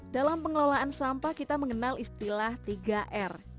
dalam pengelolaan sampah kita mengenal istilah tiga r